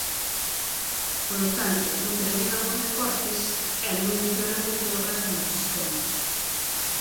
Polo tanto, no que derivan os recortes é nun empeoramento do resto do sistema.